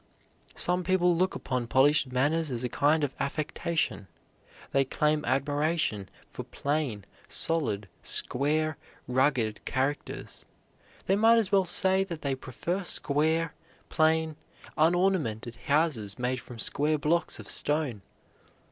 Some people look upon polished manners as a kind of affectation. They claim admiration for plain, solid, square, rugged characters. They might as well say that they prefer square, plain, unornamented houses made from square blocks of stone.